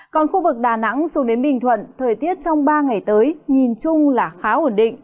còn khu vực đà nẵng xuống đến bình thuận thời tiết trong ba ngày tới nhìn chung là khá ổn định